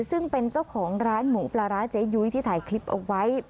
ซึ่งเป็นเจ้าของร้านหมูปลาร้าเจ๊ยุ้ยที่ถ่ายคลิปเอาไว้